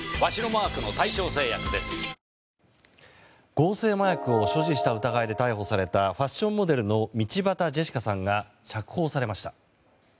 合成麻薬を所持した疑いで逮捕されたファッションモデルの道端ジェシカさんが釈放されました。